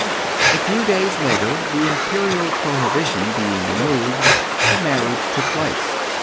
A few days later, the imperial prohibition being removed, the marriage took place.